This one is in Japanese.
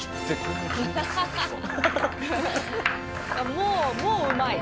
もうもううまい。